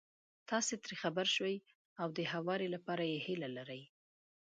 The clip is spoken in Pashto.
تاسې ترې خبر شوي او د هواري لپاره يې هيله لرئ.